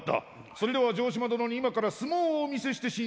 それでは城島殿に今から相撲をお見せしてしんぜよう。